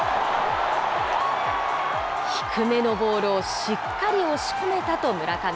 低めのボールをしっかり押し込めたと村上。